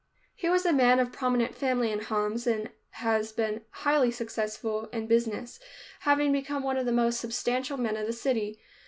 He was a man of prominent family in Homs and has been highly prospered in business, having become one of the most substantial men of the city.